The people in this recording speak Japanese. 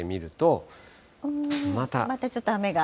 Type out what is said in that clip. またちょっと雨が。